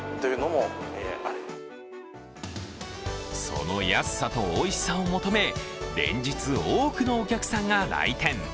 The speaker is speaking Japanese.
その安さとおいしさを求め、連日多くのお客さんが来店。